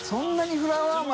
フラワーペン。